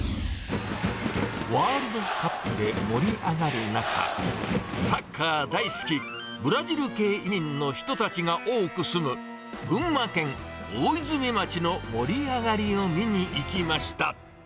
ワールドカップで盛り上がる中、サッカー大好き、ブラジル系移民の人たちが多く住む、群馬県大泉町の盛り上がりを見に行きました。